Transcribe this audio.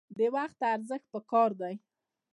د وخت ارزښت پکار دی